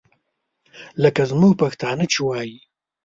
لکه زموږ پښتانه چې وایي.